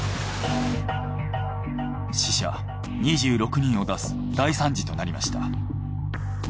死者２６人を出す大惨事となりました。